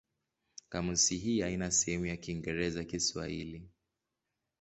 Kamusi hii haina sehemu ya Kiingereza-Kiswahili.